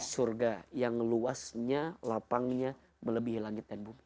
surga yang luasnya lapangnya melebihi langit dan bumi